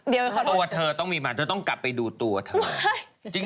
เดี๋ยวค่ะขอโทษตัวเธอต้องมีปัญหาเธอต้องกลับไปดูตัวเธอ